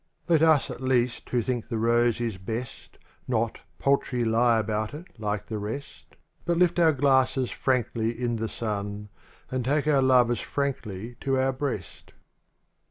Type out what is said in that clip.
Jet us at least who think the Rose is best Not, paltry, lie about it, like the rest; But lift our glasses frankly in the sun. And take our love as frankly to our breast.